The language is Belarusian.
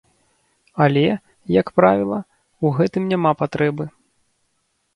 Але, як правіла, у гэтым няма патрэбы.